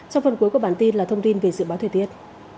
trong phần cuối của bản tin là thông tin về dự báo thời tiết